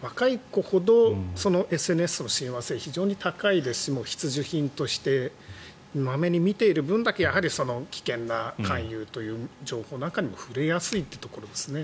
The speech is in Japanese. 若い子ほどＳＮＳとの親和性が非常に高いですし必需品としてまめに見ている分だけやはり危険な勧誘という情報なんかにも触れやすいというところですね。